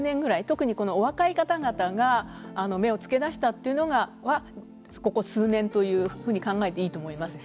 特にお若い方々が目をつけ出したというのはここ数年というふうに考えていいと思います。